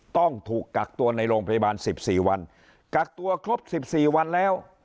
ต้องถูกกักตัวในโรงพยาบาล๑๔วันกักตัวครบ๑๔วันแล้ว